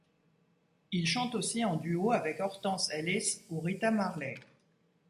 Il chante aussi en duo avec Hortense Ellis ou Rita Marley.